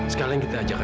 sekalian kita ajaknya